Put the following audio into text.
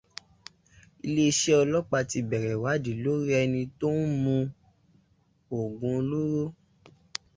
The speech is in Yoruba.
Iléeṣẹ́ ọlọ́pàá ti bẹ̀rẹ̀ ìwádìí lórí ẹni tó ń mu ògùn olóró.